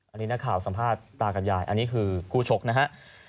อันนี้นักข่าวสัมภาษณ์ตากับยายอันนี้คือคู่ชกนะฮะ